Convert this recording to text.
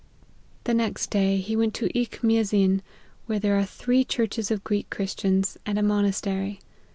The next day he went to Ech Miazin, where there are three churches of Greek Christians, and a monastery.